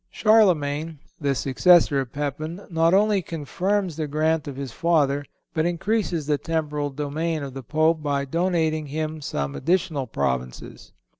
Charlemagne, the successor of Pepin, not only confirms the grant of his father, but increases the temporal domain of the Pope by donating him some additional provinces.